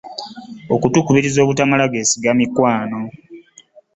Okutukubiriza obutamala geesiga mikwano.